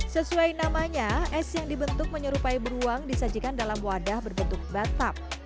sesuai namanya es yang dibentuk menyerupai beruang disajikan dalam wadah berbentuk batab